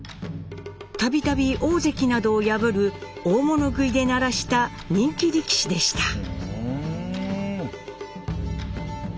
度々大関などを破る大物食いで鳴らした人気力士でした。